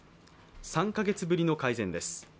３カ月ぶりの改善です。